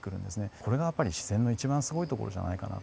これがやっぱり自然の一番すごいところじゃないかなと。